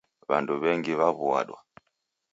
W'andu w'engi w'aw'uadwa